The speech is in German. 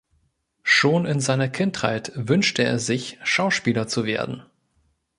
Schon in seiner Kindheit wünschte er sich, Schauspieler zu werden.